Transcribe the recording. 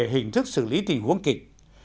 hình thức xử lý tình huống kịch